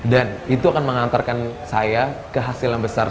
dan itu akan mengantarkan saya ke hasil yang besar